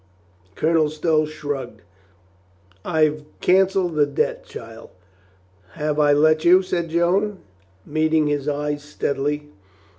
Colonel Stow shrugged. "I've canceled that debt, child." "Have I let you?" said Joan, meeting his eyes steadily.